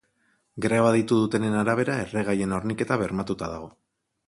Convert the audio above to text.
Greba deitu dutenen arabera, erregaien horniketa bermatuta dago.